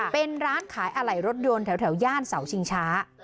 เป็นร้านขายอะไหล่รถยนต์แถวย่านเสาชิงช้า